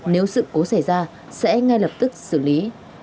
nếu sự cố xảy ra sẽ ngay lập tức xử lý